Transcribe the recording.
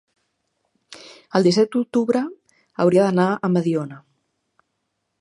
el disset d'octubre hauria d'anar a Mediona.